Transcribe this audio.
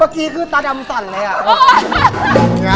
เมื่อกี้คือตาดำสั่นเลยอ่ะ